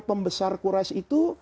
pembesar quraish itu